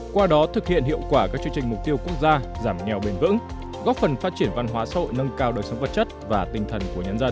qua đó thực hiện hiệu quả các chương trình mục tiêu quốc gia giảm nghèo bền vững góp phần phát triển văn hóa xã hội nâng cao đời sống vật chất và tinh thần của nhân dân